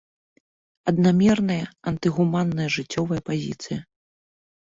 Аднамерная антыгуманная жыццёвая пазіцыя.